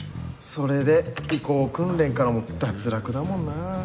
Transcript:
それで移行訓練からも脱落だもんな。